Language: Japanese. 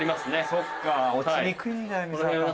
そっか。